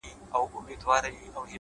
نن پرې را اوري له اسمانــــــــــه دوړي؛